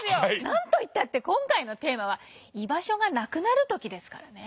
何といったって今回のテーマは「居場所がなくなるとき」ですからね。